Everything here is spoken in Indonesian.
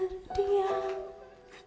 karena tuhan melihat